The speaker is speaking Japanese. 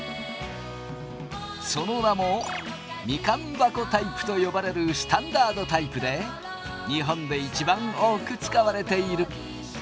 その名もみかん箱タイプと呼ばれるスタンダードタイプで日本で一番多く使われている。